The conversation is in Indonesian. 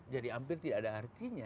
jadi hampir tidak ada artinya